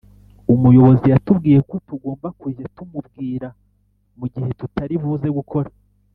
Umuyobozi yatubwiye ko tugomba kujya tumubwira mugihe tutari buze gukora